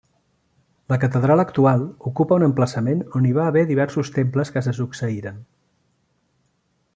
La catedral actual ocupa un emplaçament on hi va haver diversos temples que se succeïren.